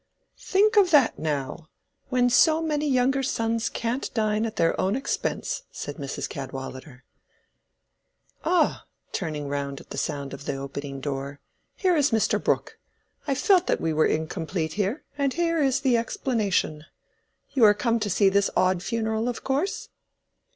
"Think of that now! when so many younger sons can't dine at their own expense," said Mrs. Cadwallader. "Ah," turning round at the sound of the opening door, "here is Mr. Brooke. I felt that we were incomplete before, and here is the explanation. You are come to see this odd funeral, of course?"